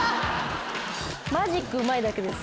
マジックうまいだけです。